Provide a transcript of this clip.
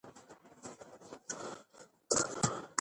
مساوي حالتونه مساوي چلند غواړي.